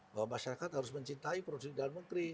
bahwa masyarakat harus mencintai produksi dalam negeri